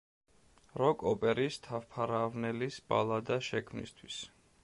როკ-ოპერის „თავფარავნელის ბალადა“ შექმნისთვის.